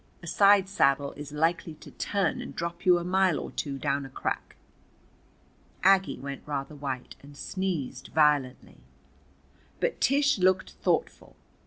A side saddle is likely to turn and drop you a mile or two down a crack." Aggie went rather white and sneezed violently. But Tish looked thoughtful.